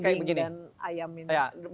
kelinci kambing dan ayam ini